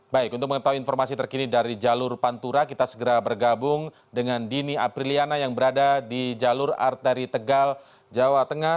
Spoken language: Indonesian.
baik untuk mengetahui informasi terkini dari jalur pantura kita segera bergabung dengan dini apriliana yang berada di jalur arteri tegal jawa tengah